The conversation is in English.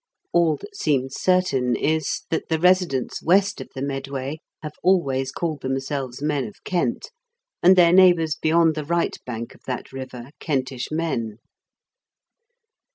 All that seems certain is, that the residents west of the Medway have always called themselves ^len of Kent, and their neighbours beyond the right bank of that river Kentish men.